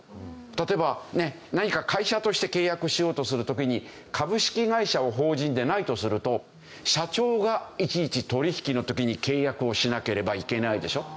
例えばね何か会社として契約しようとする時に株式会社を法人でないとすると社長がいちいち取引の時に契約をしなければいけないでしょ。